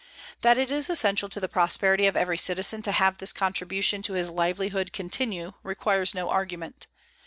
That it is essential to the prosperity of every citizen to have this contribution to his livelihood continue requires no argument.